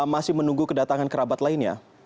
masih menunggu kedatangan kerabat lainnya